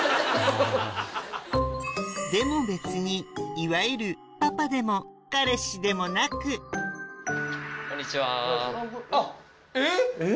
でも別にいわゆるパパでも彼氏でもなくあっ！